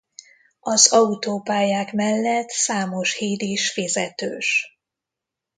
Az autópályák mellett számos híd is fizetős.